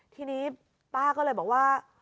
ทีนี้ป้าก็เลยบอกว่า